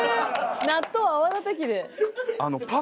納豆を泡立て器で。